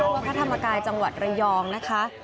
วัดพระธรรมกายจังหวัดระยองนะคะ